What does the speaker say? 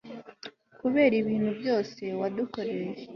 kubera ibintu byose wadukoreye